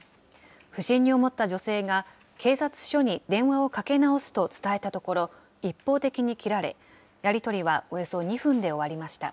不審に思った女性が、警察署に電話をかけ直すと伝えたところ、一方的に切られ、やり取りはおよそ２分で終わりました。